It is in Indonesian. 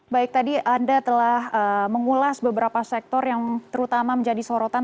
baik tadi anda telah mengulas beberapa sektor yang terutama menjadi sorotan